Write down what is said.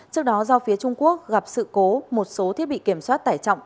trước đó do phía trung quốc gặp sự cố một số thiết bị kiểm soát tải trọng